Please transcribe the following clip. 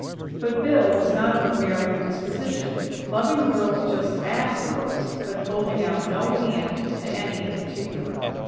But Bill was not of a marrying disposition; loving girls just as girls, but holding out no hand to any in particular.